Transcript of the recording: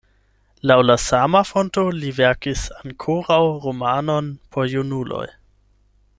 Laŭ la sama fonto li verkis ankoraŭ romanon por junuloj.